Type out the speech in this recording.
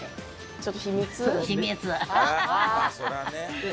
ちょっと秘密？